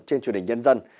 trên truyền hình nhân dân